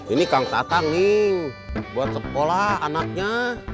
ini kang tatang nih buat sekolah anaknya